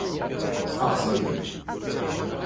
Ṭṭfeɣ-t-id!